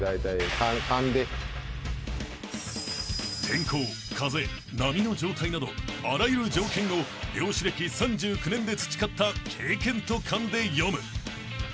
［天候風波の状態などあらゆる条件を漁師歴３９年で培った経験と勘で読む］